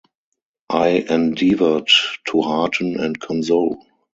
I endeavoured to hearten and console.